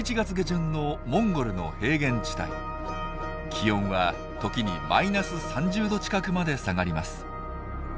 気温は時にマイナス３０℃近くまで下がります。